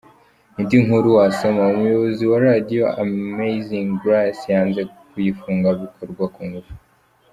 Indi nkuru wasoma:Umuyobozi wa Radio Amazing Grace yanze kuyifunga bikorwa ku ngufu.